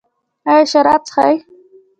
ایا شراب څښئ؟